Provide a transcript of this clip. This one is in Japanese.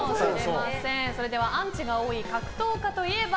それではアンチが多い格闘家といえば？